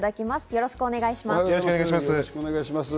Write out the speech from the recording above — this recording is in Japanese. よろしくお願いします。